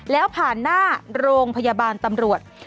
แล้วผ่านหน้าโรงพยาบาลตำรวจ